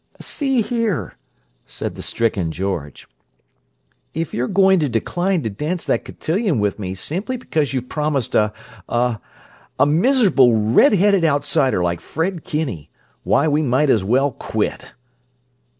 "See here!" said the stricken George. "If you're going to decline to dance that cotillion with me simply because you've promised a—a—a miserable red headed outsider like Fred Kinney, why we might as well quit!"